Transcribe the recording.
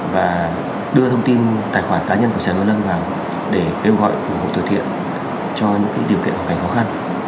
và đưa thông tin tài khoản cá nhân của trần nguyên lâm vào để kêu gọi ủng hộ thời thiện cho những điều kiện hoàn cảnh khó khăn